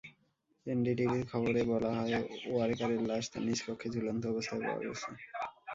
এনডিটিভির খবরে বলা হয়, ওয়ারেকারের লাশ তাঁর নিজ কক্ষে ঝুলন্ত অবস্থায় পাওয়া গেছে।